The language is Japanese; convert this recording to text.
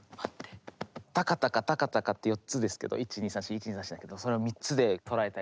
「タカタカタカタカ」って４つですけど１・２・３・４・１・２・３・４だけどそれを３つで捉えたり。